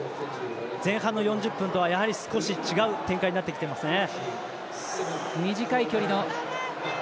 前半の４０分とはやはり少し違う展開になってきていますね。